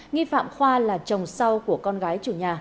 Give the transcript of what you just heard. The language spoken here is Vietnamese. nghi phạm khoa là chồng sau của con gái chủ nhà